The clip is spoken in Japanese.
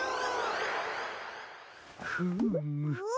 フーム。